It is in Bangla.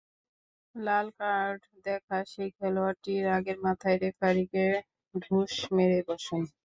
লাল কার্ড দেখা সেই খেলোয়াড়টি রাগের মাথায় রেফারিকে ঢুস মেরে বসেন।